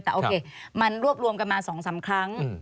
แต่โอเคมันรวบรวมกันมา๒๓ครั้ง